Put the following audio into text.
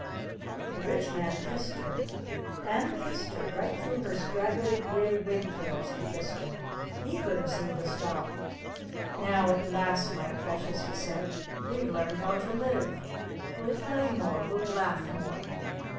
The Rich Man kissed her. And kissed her! Right through her scraggly gray wig curls he kissed her! He couldn't seem to stop! "Now, at last, my Precious," he said. "We've learned how to live! We'll play more! We'll laugh more!"